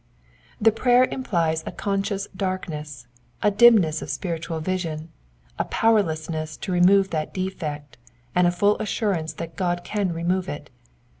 The prayer implies a conscious darkness, a dimness of spiritual vision, a powerlessness to remove that defect, and a full assurance that God can re move it.